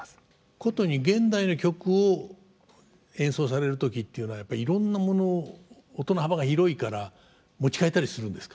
殊に現代の曲を演奏される時っていうのはやっぱりいろんなものを音の幅が広いから持ち替えたりするんですか？